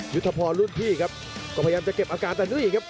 ยุทธพรรุ่นพี่ครับก็พยายามจะเก็บอาการแต่นี่ครับ